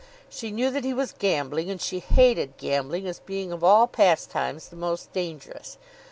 She knew that he was gambling, and she hated gambling as being of all pastimes the most dangerous.